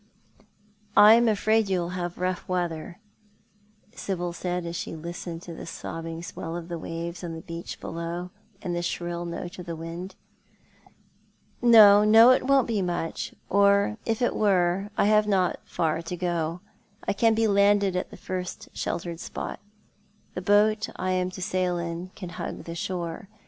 "I'm afraid you'll have rough weather," Sibyl said, as she listened to the sobbing swell of the waves on the beach below, and the shrill note of the wind. " No, no, it won't be much, or if it were I have not far to go. I can be landed at the first sheltered spot ; the boat I am to sail in can hug the shore.